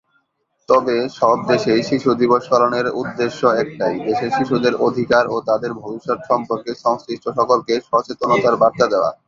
তবে সব দেশেই শিশু দিবস পালনের উদ্দেশ্য একটাই, দেশের শিশুদের অধিকার ও তাঁদের ভবিষ্যৎ সম্পর্কে সংশ্লিষ্ট সকলকে সচেতনতার বার্তা দেওয়া।